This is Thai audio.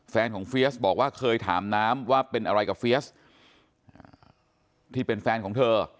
แฟนของเฟียสบอกว่าเคยถามน้ำว่าเป็นอะไรกับเฟียสที่เป็นแฟนของเธอ